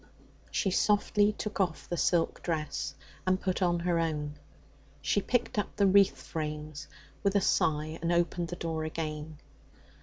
She softly took off the silk dress, and put on her own. She picked up the wreath frames with a sigh and opened the door again.